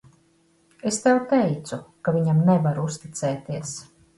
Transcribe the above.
Es tev teicu, ka viņam nevar uzticēties.